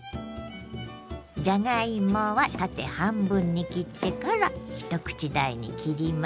じゃがいもは縦半分に切ってから一口大に切ります。